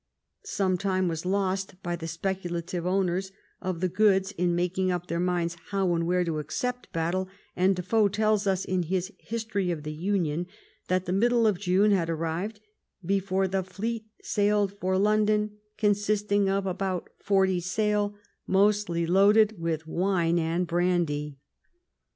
Some time was lost by the speculative owners of the goods in making up their minds how and where to accept battle, and Defoe tells us in his History of the Union that the middle of June had arrived before " the fleet sailed for London, consisting of about forty sail, mostly loaded with wine and brandy."